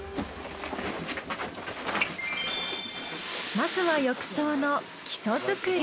まずは浴槽の基礎作り。